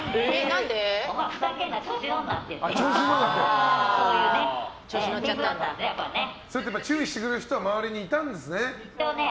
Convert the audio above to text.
お前、ふざけんな注意してくれる人は周りにいたんですね。